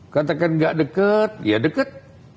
katakan gak deket ya deket